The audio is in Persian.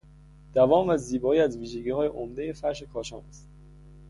دوام و زیبایی از ویژگیهای عمدهی فرش کاشان است.